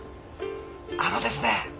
あのですね。